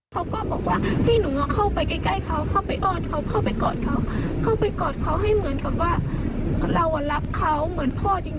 เขาก็บอกว่าพี่หนูเข้าไปใกล้เขาเข้าไปอ้อนเขาเข้าไปกอดเขาเข้าไปกอดเขาให้เหมือนกับว่าเรารักเขาเหมือนพ่อจริง